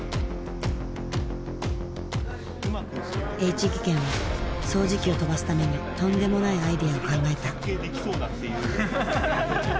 Ｈ技研は掃除機を跳ばすためにとんでもないアイデアを考えた。